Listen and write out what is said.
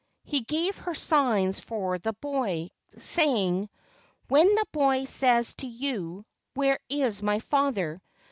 He gave her signs for the boy, saying, "When the boy says to you, 'Where is my father?